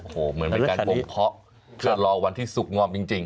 เหมือนกับกลมเพาะเพื่อรอวันที่สุขงอมจริง